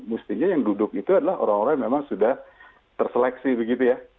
mestinya yang duduk itu adalah orang orang yang memang sudah terseleksi begitu ya